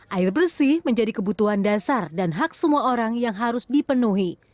air bersih menjadi kebutuhan dasar dan hak semua orang yang harus dipenuhi